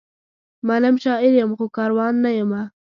منم، شاعر یم؛ خو کاروان نه یمه